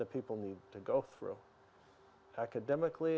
apa pendidikannya yang kamu terima